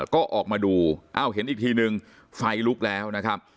ก็ออกมาดูอ้าวเห็นอีกทีนึงไฟลุกแล้วนะครับ